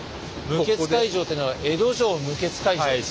無血開城というのは江戸城無血開城？